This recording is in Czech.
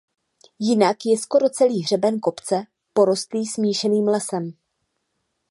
Jinak je skoro celý hřeben kopce porostlý smíšeným lesem.